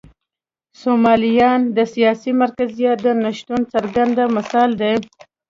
سومالیا د سیاسي مرکزیت د نشتون څرګند مثال دی.